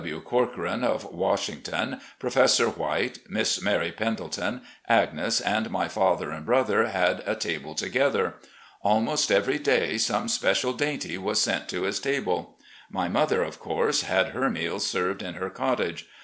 W. Corcoran, of Washington, Professor White, Miss Mary Pendleton, Agnes, and my father and brother had a table together. Almost every MOUNTAIN RIDES 275 day some special dainty was sent to this table. My mother, of course, had her meals served in her cottage.